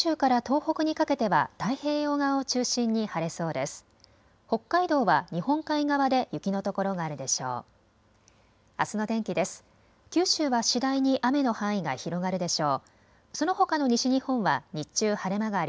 北海道は日本海側で雪の所があるでしょう。